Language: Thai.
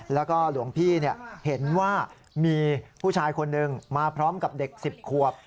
แล้วก็หลวงพี่เห็นว่ามีผู้ชายคนหนึ่งมาพร้อมกับเด็ก๑๐ขวบ